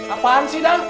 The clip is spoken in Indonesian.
apaan sih dong